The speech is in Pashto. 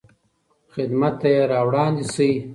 خدمت ته یې راوړاندې شئ.